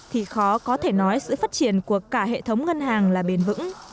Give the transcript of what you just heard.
thì khó có thể nói sự phát triển của cả hệ thống ngân hàng là bền vững